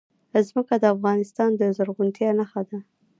ځمکه د افغانستان د زرغونتیا نښه ده.